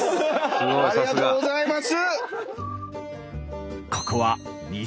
ありがとうございます！